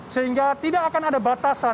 sehingga tidak akan ada batasan